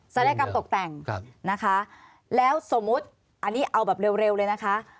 ยกรรมตกแต่งนะคะแล้วสมมุติอันนี้เอาแบบเร็วเลยนะคะ